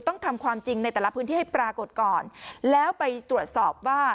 ต้องทำความจริงในแต่ละพื้นที่ให้ปรากฏก่อนแล้วไปตรวจสอบว่า